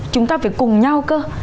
chúng ta phải cùng nhau cơ